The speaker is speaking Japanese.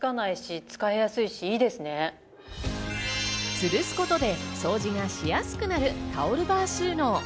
つるすことで掃除がしやすくなるタオルバー収納。